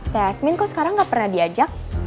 teh asmin kok sekarang gak pernah diajak